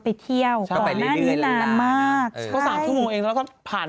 ไปเที่ยวก่อนหน้านี้นานมากก็สามชั่วโมงเองแล้วก็ผ่าน